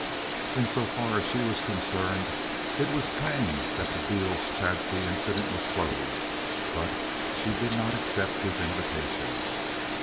In so far as she was concerned it was plain that the Beales Chadsey incident was closed, but she did not accept his invitation.